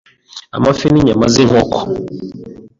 amafi, n’inyama z’inkoko,